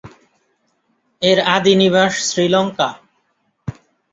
এর আদি নিবাস শ্রীলঙ্কা।